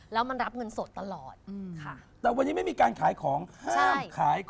แล้วมันรับเงินสดตลอดแต่วันนี้ไม่มีการขายของห้ามขายของ